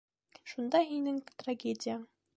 Шунда һинең трагедияң.